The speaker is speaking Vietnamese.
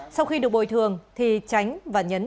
sau khi được bồi thường thì chánh và nhấn